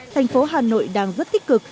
thành phố hà nội đang rất tích cực